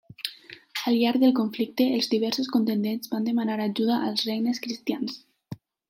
Al llarg del conflicte, els diversos contendents van demanar ajuda als regnes cristians.